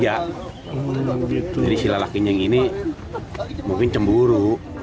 jadi silalah kinyeng ini mungkin cemburu